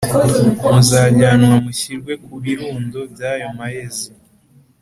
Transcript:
Muzajyanwa mushyirwe ku birundo by ayo mayezi